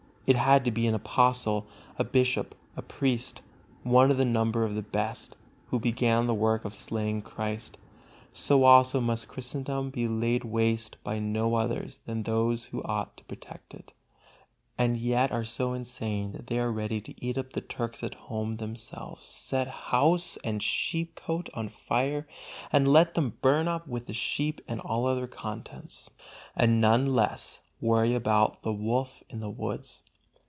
It had to be an apostle, a bishop, a priest, one of the number of the best, who began the work of slaying Christ. So also must Christendom be laid waste by no others than those who ought to protect it, and yet are so insane that they are ready to eat up the Turks and at home themselves set house and sheep cote on fire and let them burn up with the sheep and all other contents, and none the less worry about the wolf in the woods.